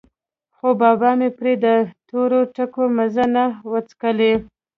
خو بابا مې پرې د تورو ټکو مزه نه وڅکلې.